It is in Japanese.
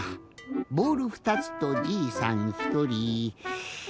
ボール２つとじいさんひとり。